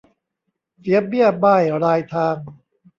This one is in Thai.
เสียเบี้ยบ้ายรายทาง